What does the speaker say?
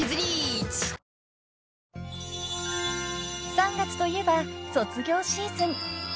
［３月といえば卒業シーズン］